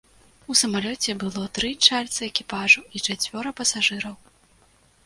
У самалёце было тры чальцы экіпажу і чацвёра пасажыраў.